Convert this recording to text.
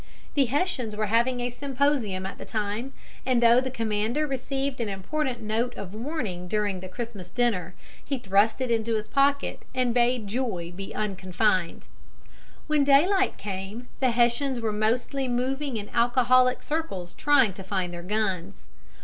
The Hessians were having a symposium at the time, and though the commander received an important note of warning during the Christmas dinner, he thrust it into his pocket and bade joy be unconfined. When daylight came, the Hessians were mostly moving in alcoholic circles trying to find their guns.